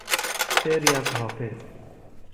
شعری از حافظ